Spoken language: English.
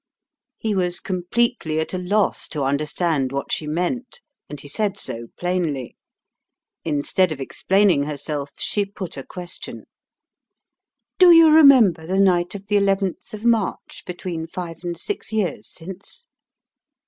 He was completely at a loss to understand what she meant, and he said so plainly. Instead of explaining herself she put a question. "Do you remember the night of the 11th of March, between five and six years since?"